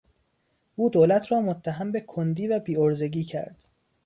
او دولت را متهم به کندی و بیعرضگی کرد.